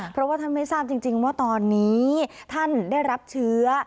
เพราะว่าท่านไม่ทราบจริงว่าตอนนี้ท่านได้รับเชื้อ